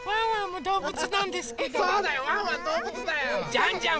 ジャンジャン？